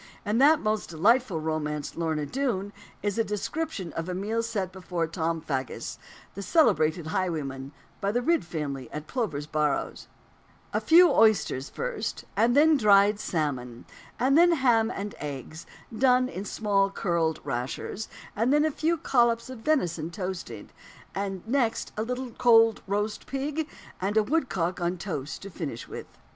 In that most delightful romance Lorna Doone is a description of a meal set before Tom Faggus, the celebrated highwayman, by the Ridd family, at Plover's Barrows: "A few oysters first, and then dried salmon, and then ham and eggs, done in small curled rashers, and then a few collops of venison toasted, and next a little cold roast pig, and a woodcock on toast to finish with."